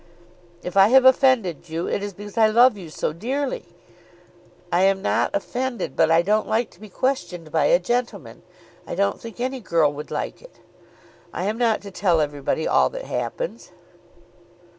"If I have offended you it is because I love you so dearly." "I am not offended, but I don't like to be questioned by a gentleman. I don't think any girl would like it. I am not to tell everybody all that happens."